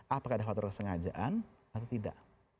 apakah ada faktor kesengajaan atau tidak